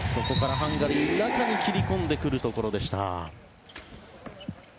ハンガリー、中に切り込んでくるところでした。